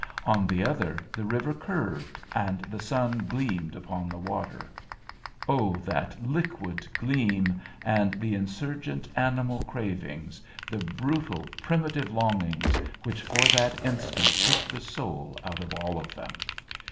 On the other the river curved, and the sun gleamed upon the water. Oh, that liquid gleam, and the insurgent animal cravings, the brutal primitive longings, which for the instant took the soul out of all of them!